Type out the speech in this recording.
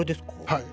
はい。